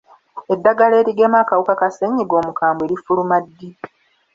Eddagala erigema akawuka ka ssenyiga omukambwe lifuluma ddi?